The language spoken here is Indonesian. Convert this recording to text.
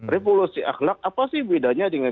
revolusi akhlak apa sih bedanya dengan